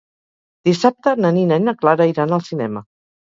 Dissabte na Nina i na Clara iran al cinema.